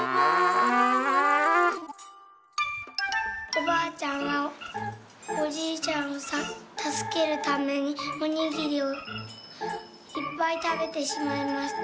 「おばあちゃんはおじいちゃんをたすけるためにおにぎりをいっぱいたべてしまいました。